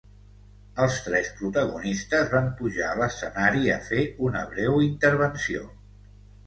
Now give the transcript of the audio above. Els tres protagonistes van pujar a l’escenari a fer una breu intervenció.